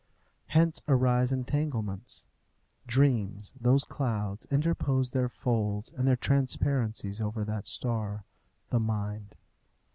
Hence arise entanglements. Dreams, those clouds, interpose their folds and their transparencies over that star, the mind.